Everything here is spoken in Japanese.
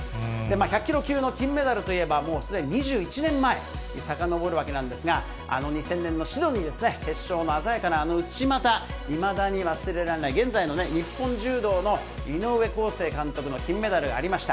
１００キロ級の金メダルといえば、もうすでに２１年前にさかのぼるわけなんですが、あの２０００年のシドニーですね、決勝の鮮やかなあの内股、いまだに忘れられない、現在の日本柔道の井上康生監督の金メダルがありました。